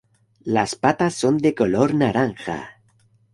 Las patas son de color naranja.